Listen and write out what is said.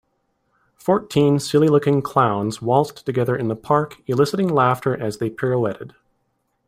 Fourteen silly looking clowns waltzed together in the park eliciting laughter as they pirouetted.